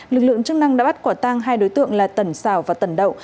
lực lượng chức năng đã bắt quả tang hai đối tượng là tần xào và tần đậu